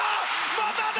まただ！